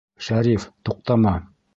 Шәриф, туҡтама!